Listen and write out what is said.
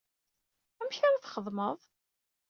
Amek ara txedmeḍ?